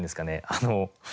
あの。